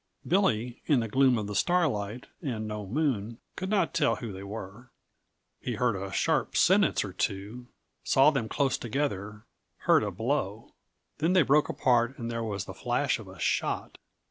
Billy, in the gloom of starlight and no moon, could not tell who they were; he heard a sharp sentence or two, saw them close together, heard a blow. Then they broke apart and there was the flash of a shot.